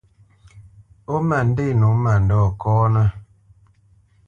Ó ma ndê nǒ mandɔ̂ kɔ́nə́.